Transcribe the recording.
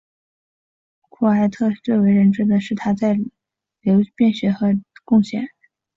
库埃特最为人所知的是他在流变学和流体流动理论的贡献。